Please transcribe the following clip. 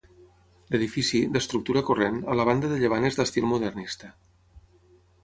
L'edifici, d'estructura corrent, a la banda de llevant és d'estil modernista.